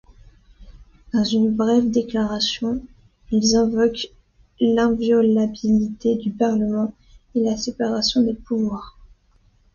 Dans une brève déclaration, ils invoquent l'inviolabilité du Parlement et la séparation des pouvoirs.